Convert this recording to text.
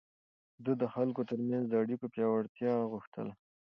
ده د خلکو ترمنځ د اړيکو پياوړتيا غوښتله.